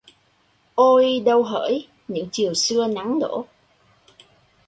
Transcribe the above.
Ôi! Đâu hỡi? Những chiều xưa nắng đổ